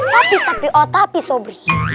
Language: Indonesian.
tapi tapi oh tapi sobri